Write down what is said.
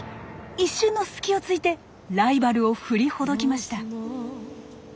一瞬の隙を突いてライバルを振りほどきました。